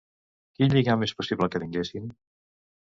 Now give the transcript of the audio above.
Quin lligam és possible que tinguessin?